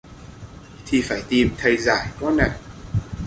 Thì phải tìm thầy giải con ạ